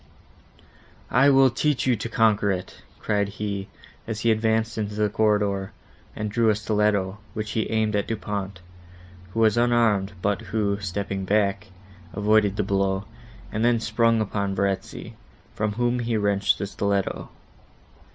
"I will teach you to conquer it," cried he, as he advanced into the corridor, and drew a stiletto, which he aimed at Du Pont, who was unarmed, but who, stepping back, avoided the blow, and then sprung upon Verezzi, from whom he wrenched the stiletto.